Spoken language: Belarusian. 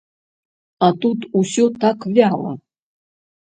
А тут усё так вяла.